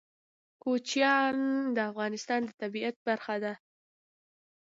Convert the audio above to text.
کوچیان د افغانستان د طبیعت برخه ده.